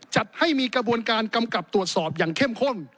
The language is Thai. จัดให้มีกระบวนการกำกับตรวจสอบอย่างเข้มข้น